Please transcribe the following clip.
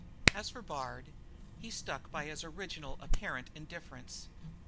As for Bard, he stuck by his original apparent indifference.